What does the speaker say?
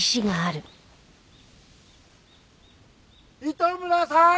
糸村さーん！